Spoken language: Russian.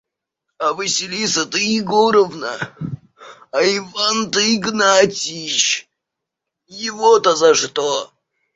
А Василиса-то Егоровна? А Иван-то Игнатьич? Его-то за что?..